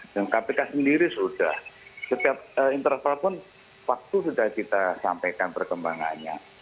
dan kpk sendiri sudah setiap interval pun waktu sudah kita sampaikan perkembangannya